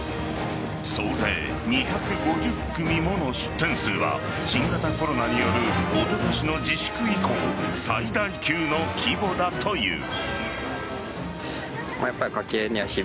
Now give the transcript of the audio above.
総勢２５０組もの出店数は新型コロナによるおととしの自粛以降最大級の規模だという。